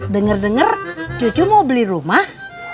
dengar dengar cucu mau beli rumah